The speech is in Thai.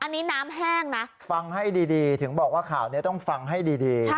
อันนี้น้ำแห้งนะฟังให้ดีถึงบอกว่าข่าวนี้ต้องฟังให้ดี